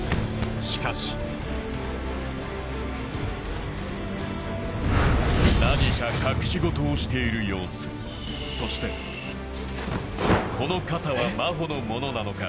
しかし何か隠し事をしている様子そしてこの傘は真帆のものなのか？